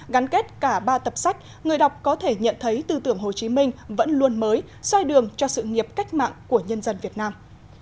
gắn kết cả ba tập sách người đọc có thể nhận thấy tư tưởng hồ chí minh vẫn luôn mới xoay đường cho sự nghiệp cách mạng của nhân dân việt nam